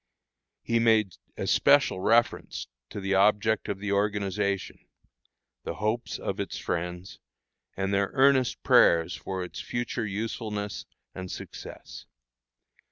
He made especial reference to the object of the organization, the hopes of its friends, and their earnest prayers for its future usefulness and success.